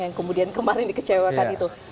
yang kemudian kemarin dikecewakan itu